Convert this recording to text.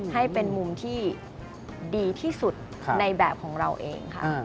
ให้เป็นมุมที่ดีที่สุดในแบบของเราเองค่ะ